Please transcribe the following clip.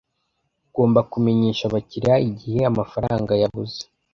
ugomba kumenyesha abakiriya igihe amafaranga yabuze